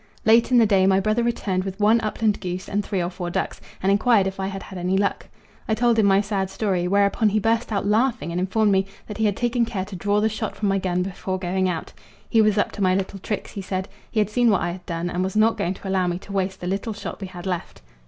Late in the day my brother returned with one upland goose and three or four ducks, and inquired if I had had any luck. I told him my sad story, whereupon he burst out laughing and informed me that he had taken care to draw the shot from my gun before going out. He was up to my little tricks, he said; he had seen what I had done, and was not going to allow me to waste the little shot we had left!